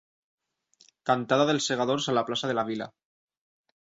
Cantada dels Segadors a la plaça de la Vila.